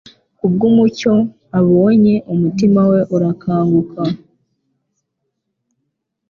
Kubw'uyu mucyo abonye, umutima we urakanguka.